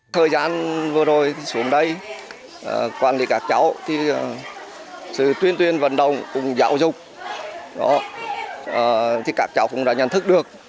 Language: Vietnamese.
thời gian vừa rồi xuống đây quan lý các cháu sự tuyên truyền vận động cùng giáo dục các cháu cũng đã nhận thức được